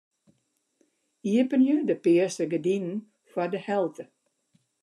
Iepenje de pearse gerdinen foar de helte.